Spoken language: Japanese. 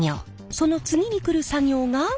その次に来る作業が。